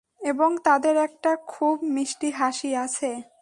এবং তাদের একটা খুব মিষ্টি হাসি আছে।